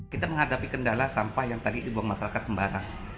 kita menghadapi kendala sampah yang tadi dibuang masyarakat sembarang